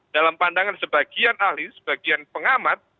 dalam pandangan sebagian ahli sebagian pengamat